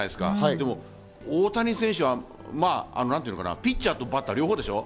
でも大谷選手はピッチャーとバッター両方でしょ？